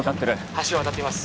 ☎橋を渡っています